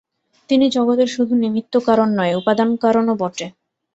তিনি জগতের শুধু নিমিত্ত-কারণ নন, উপাদান-কারণও বটে।